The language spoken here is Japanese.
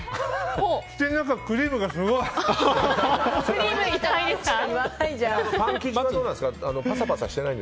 口の中、クリームがすごい。